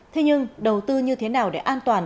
thế nhưng đầu tư như thế nào để an toàn